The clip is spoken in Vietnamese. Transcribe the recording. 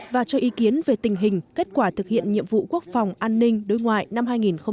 và cho ý kiến về tình hình kết quả thực hiện nhiệm vụ quốc phòng an ninh đối ngoại năm hai nghìn một mươi chín